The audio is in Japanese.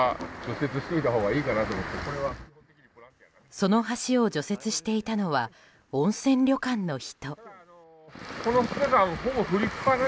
その橋を除雪していたのは温泉旅館の人。